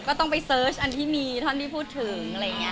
ก็ต้องไปเซิร์ชอันที่มีที่พูดถึง